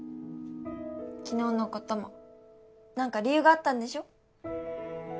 昨日のことも何か理由があったんでしょ？